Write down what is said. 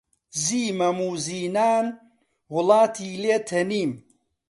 زیی مەم و زینان وڵاتی لێ تەنیم